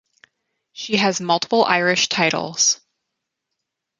She has multiple irish titles.